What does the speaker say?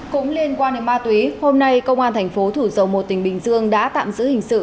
cũng liên quan đến ma túy hôm nay công an thành phố thủ dầu một tỉnh bình dương đã tạm giữ hình sự